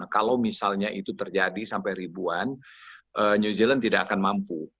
kalau misalnya itu terjadi sampai ribuan new zealand tidak akan mampu